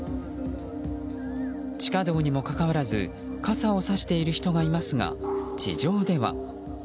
地下道にもかかわらず傘をさしている人がいますが地上では。